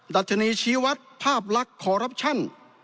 ดัชนีชีวัตรภาพลักษณ์